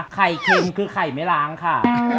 ไข่เค็มคือไข่ไม่ล้างค่ะ